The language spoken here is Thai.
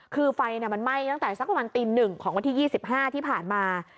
คือไฟเนี้ยมันไหม้ตั้งแต่สักประมาณตินหนึ่งของวันที่ยี่สิบห้าที่ผ่านมา